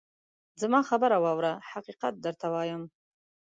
زما خبره واوره ! حقیقت درته وایم.